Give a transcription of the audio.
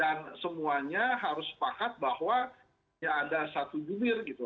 dan semuanya harus sepakat bahwa ya ada satu jubir gitu